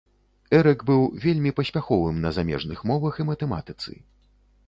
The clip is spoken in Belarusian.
Эрык быў вельмі паспяховым на замежных мовах і матэматыцы.